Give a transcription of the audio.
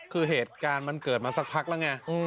คือเหตุการณ์มันเกิดมาสักพักแล้วไง